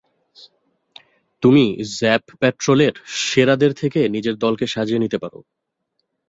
তুমি জ্যাপ প্যাট্রোলের সেরাদের থেকে নিজের দলকে সাজিয়ে নিতে পারো।